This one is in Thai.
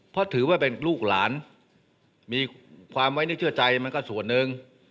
เพราะถือว่าเป็นลูกหลานมีความไว้ในเชื่อใจมันก็ส่วนหนึ่ง